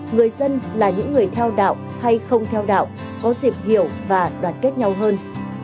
người dân là những người theo đạo hay không theo đạo có dịp hiểu và đoàn kết nhau hơn